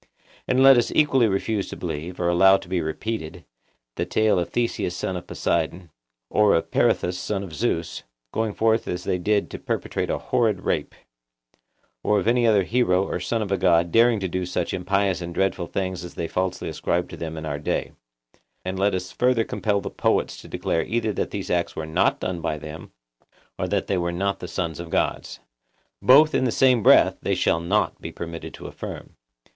And let us equally refuse to believe, or allow to be repeated, the tale of Theseus son of Poseidon, or of Peirithous son of Zeus, going forth as they did to perpetrate a horrid rape; or of any other hero or son of a god daring to do such impious and dreadful things as they falsely ascribe to them in our day: and let us further compel the poets to declare either that these acts were not done by them, or that they were not the sons of gods;—both in the same breath they shall not be permitted to affirm.